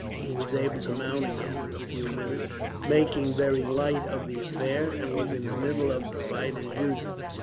He was able to mount again in a few minutes, making very light of the affair; and was in the middle of the fight, as usual.